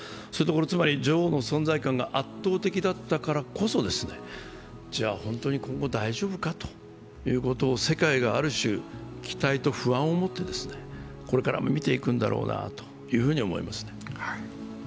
つまり女王の存在感が圧倒的だったからこそ、本当に今後大丈夫かということを世界がある種、期待と不安を持ってこれから見ていくんだろうなと思います。